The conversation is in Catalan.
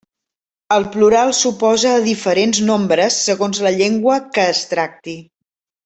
El plural s'oposa a diferents nombres segons la llengua que es tracti.